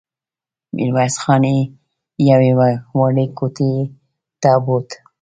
ميرويس خان يې يوې وړې کوټې ته بوت.